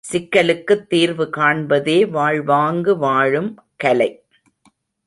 சிக்கலுக்குத் தீர்வுகாண்பதே வாழ்வாங்கு வாழும் கலை.